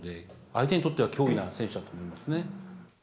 相手にとっては脅威な選手だと思いますね。